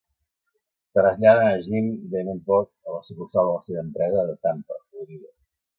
Traslladen a Jim Davenport a la sucursal de la seva empresa de Tampa, Florida.